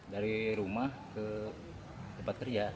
dari rumah ke tempat kerja